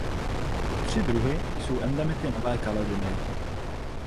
Tři druhy jsou endemity Nové Kaledonie.